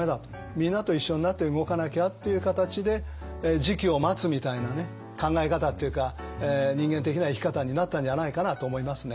みんなと一緒になって動かなきゃっていう形で時機を待つみたいな考え方っていうか人間的な生き方になったんじゃないかなと思いますね。